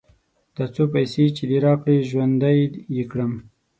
دا څو پيسې چې دې راکړې؛ ژوندی يې کړم.